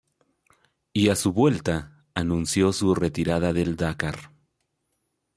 Y a su vuelta anunció su retirada del Dakar.